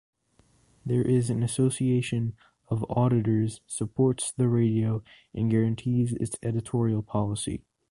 There is an association of auditors supports the radio and guarantees its editorial policy.